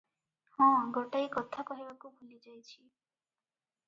ହଁ, ଗୋଟାଏ କଥା କହିବାକୁ ଭୁଲି ଯାଇଛି ।